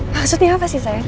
maksudnya apa sih sayang